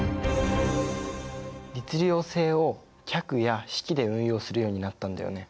律令制を「格」や「式」で運用するようになったんだよね。